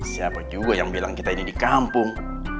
siapa juga yang bilang kita ini di kampung